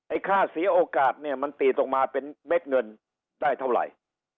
ค่าเสียโอกาสเนี่ยมันตีตรงมาเป็นเม็ดเงินได้เท่าไหร่